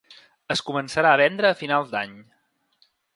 Es començarà a vendre a finals d’any.